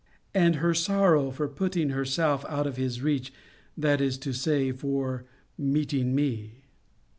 and her sorrow for putting herself out of his reach, that is to say, for meeting me?